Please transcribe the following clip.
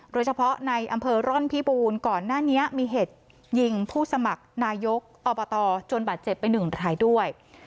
โดยเฉพาะในอำเภอร่อนพิบูรณ์ก่อนหน้านี้มีเหตุยิงผู้สมัครนายกอบตจนบาดเจ็บไปหนึ่งรายด้วย